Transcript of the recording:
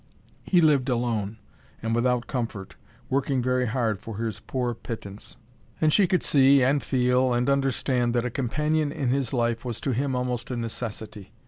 He lived alone and without comfort, working very hard for his poor pittance, and she could see, and feel, and understand that a companion in his life was to him almost a necessity.